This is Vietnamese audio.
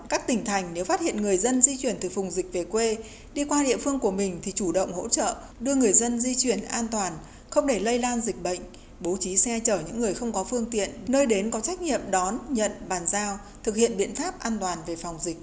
các tỉnh thành nếu phát hiện người dân di chuyển từ vùng dịch về quê đi qua địa phương của mình thì chủ động hỗ trợ đưa người dân di chuyển an toàn không để lây lan dịch bệnh bố trí xe chở những người không có phương tiện nơi đến có trách nhiệm đón nhận bàn giao thực hiện biện pháp an toàn về phòng dịch